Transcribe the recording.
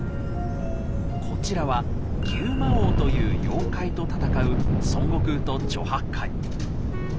こちらは牛魔王という妖怪と戦う孫悟空と猪八戒。